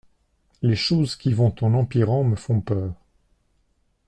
Les choses qui vont en empirant me font peur.